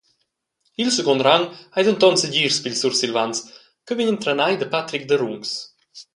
Il secund rang ei denton segirs pils Sursilvans che vegnan trenai da Patric Derungs.